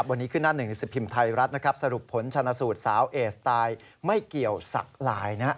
วันนี้ขึ้นหน้า๑๑สิทธิ์ภิมษ์ไทยรัฐสรุปผลชนะสูตรสาวเอกสไตล์ไม่เกี่ยวศักดิ์ไลน์นะ